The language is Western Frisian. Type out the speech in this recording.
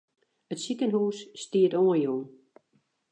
It sikehús stiet oanjûn.